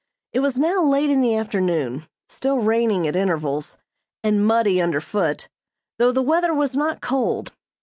It was now late in the afternoon, still raining at intervals, and muddy under foot, though the weather was not cold.